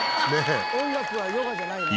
音楽はヨガじゃないね。